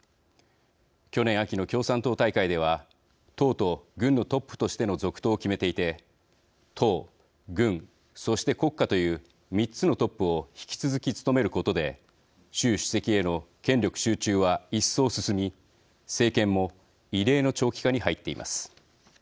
去年秋の共産党大会では党と軍のトップとしての続投を決めていて党、軍、そして国家という３つのトップを引き続き務めることで習主席への権力集中は一層進み政権も異例の長期化に入っています。